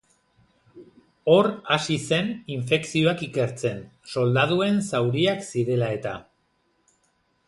Hor hasi zen infekzioak ikertzen, soldaduen zauriak zirela-eta.